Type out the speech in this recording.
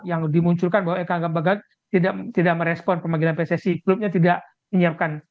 yang dimunculkan bahwa elkambagot tidak merespon pemagilan pssi klubnya tidak menyiapkan